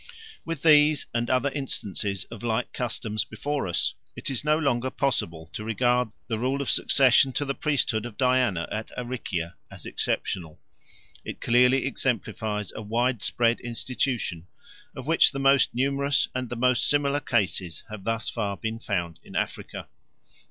_ With these and other instances of like customs before us it is no longer possible to regard the rule of succession to the priesthood of Diana at Aricia as exceptional; it clearly exemplifies a widespread institution, of which the most numerous and the most similar cases have thus far been found in Africa.